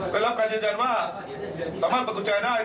เป็นรับการยืนยันว่าสามารถปรับกุญแจได้